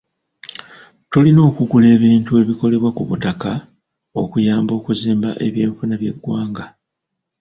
Tulina okugula ebintu ebikolebwa ku butaka okuyamba okuzimba eby'enfuna by'eggwanga.